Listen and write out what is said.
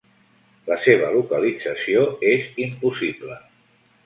La seva localització és impossible.